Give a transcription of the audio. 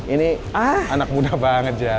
ini anak muda banget ya